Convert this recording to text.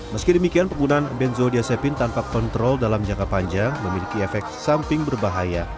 meski demikian penggunaan benzodiasepin tanpa kontrol dalam jangka panjang memiliki efek samping berbahaya